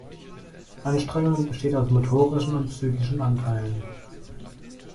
Anstrengung besteht aus motorischen und psychischen Anteilen.